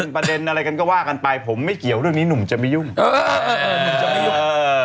เป็นประเด็นอะไรกันก็ว่ากันไปผมไม่เกี่ยวว่าตอนนี้หนุ่มจะไม่ยุ่ม